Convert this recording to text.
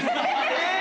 えっ！